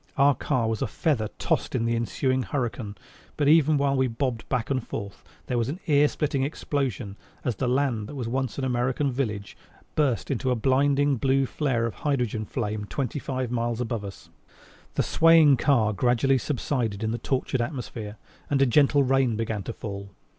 Our car was a feather tossed in the ensuing hurricane, but even while we bobbed back and forth there was an ear splitting explosion as the land that was once an American village burst into a blinding blue flare of hydrogen flame twenty five miles above us. The swaying of the car gradually subsided in the tortured atmosphere, and a gentle rain began to fall.